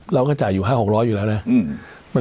เราก็จ่ายอยู่๕๖๐๐อยู่แล้วนะ